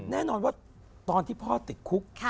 แน่นอนว่าตอนที่พ่อติดคุก